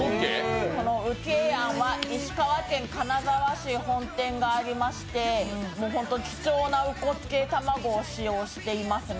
烏鶏庵は石川県金沢市に本店がありまして貴重な烏骨鶏卵を使用していますね。